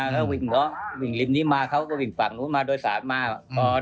แล้ววิ่งริมนี้มาเขาก็วิ่งฝั่งนู้นมาโดยสามารณ์